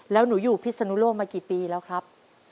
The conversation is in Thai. แล้วหนูอยู่พิศนุโลกมากี่ปีแล้วครับ